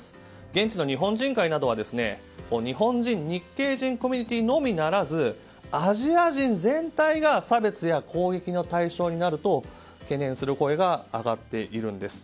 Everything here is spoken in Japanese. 現地の日本人会などでは日本人・日系人コミュニティーのみならずアジア人全体が差別や攻撃の対象になると懸念する声が上がっているんです。